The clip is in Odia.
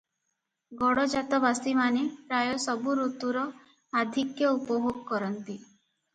ଗଡଜାତବାସିମାନେ ପ୍ରାୟ ସବୁ ଋତୁର ଆଧିକ୍ୟ ଉପଭୋଗ କରନ୍ତି ।